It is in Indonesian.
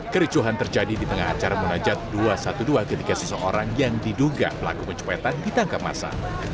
kericuhan terjadi di tengah acara munajat dua ratus dua belas ketika seseorang yang diduga pelaku pencopetan ditangkap masa